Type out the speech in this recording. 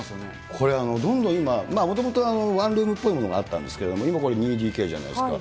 これ、どんどん今、もともとワンルームっぽいものがあったんですけれども、今これ、２ＤＫじゃないですか。